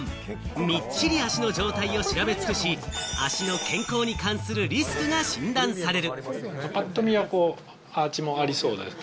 みっちり足の状態を調べ尽くし、足の健康に関するリスクが診断される。